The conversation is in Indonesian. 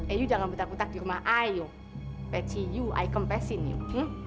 eh yuk jangan buta buta di rumah ayo peci yuk ay kempesin yuk hmm